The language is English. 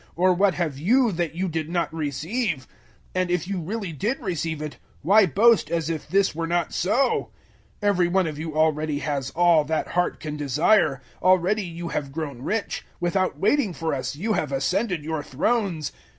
Or what have you that you did not receive? And if you really did receive it, why boast as if this were not so? 004:008 Every one of you already has all that heart can desire; already you have grown rich; without waiting for us, you have ascended your thrones!